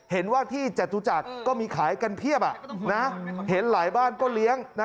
เห็นว่าที่จตุจักรก็มีขายกันเพียบเห็นหลายบ้านก็เลี้ยง